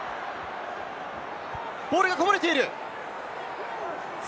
ボールがこぼれている。